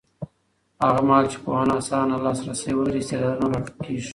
هغه مهال چې پوهنه اسانه لاسرسی ولري، استعدادونه راټوکېږي.